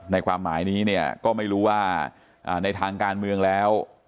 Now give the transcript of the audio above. ความหมายนี้เนี่ยก็ไม่รู้ว่าในทางการเมืองแล้ว